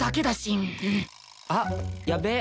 あっやべえ。